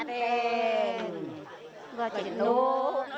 selamat bulan imagi